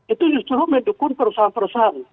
itu justru mendukung perusahaan perusahaan